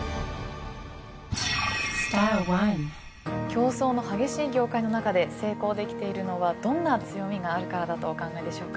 競争の激しい業界の中で成功できているのはどんな強みがあるからだとお考えでしょうか？